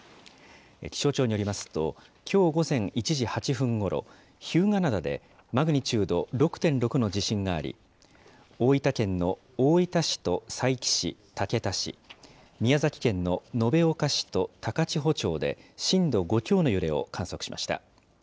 気象庁によりますと、きょう午前１時８分ごろ、日向灘でマグニチュード６．６の地震があり、大分県の大分市と佐伯市、竹田市、宮崎県の延岡市と高千穂町で震度５強の揺れを観測しました。